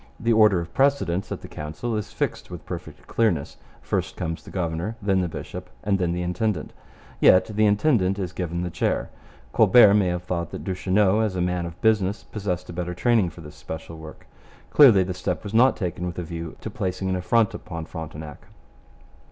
The order of precedence at the Council is fixed with perfect clearness. First comes the governor, then the bishop, and then the intendant. Yet the intendant is given the chair. Colbert may have thought that Duchesneau as a man of business possessed a better training for this special work. Clearly the step was not taken with a view to placing an affront upon Frontenac.